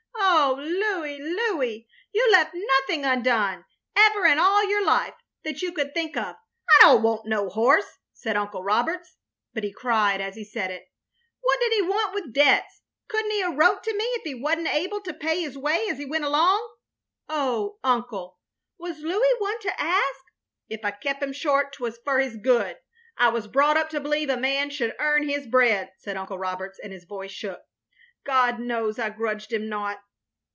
Oh, Louis, Louis, you left nothing undone, ever in all your life, that you could think of —*' "I don't want no horse," said Uncle Roberts; but he cried as he said it. "What did he want with debts? Could n't he a' wrote to me if he was n't able to pay his way as he went along?" "Oh, Uncle, was Louis one to ask —?"" If I kep' him short, 't was for his good. I was brought up to believe a man should earn his bread —" said Uncle Roberts, and his voice shook. "God knows I grudged him nought."